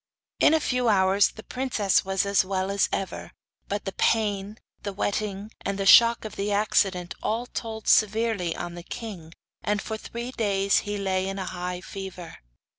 In a few hours the princess was as well as ever; but the pain, the wetting, and the shock of the accident, all told severely on the king, and for three days he lay in a high fever.